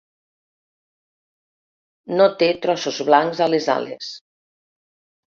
No té trossos blancs a les ales.